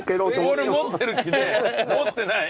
ボール持ってる気で持ってない。